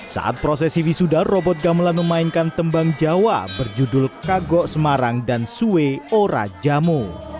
saat prosesi wisuda robot gamelan memainkan tembang jawa berjudul kagok semarang dan sue ora jamu